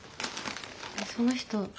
その人